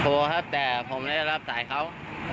โทรครับแต่ผมไม่ได้รับสายเขา